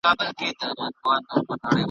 ملا دا نه ویل چي زموږ خو بې روژې روژه ده .